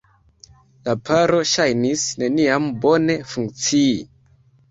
La paro ŝajnis neniam bone funkcii.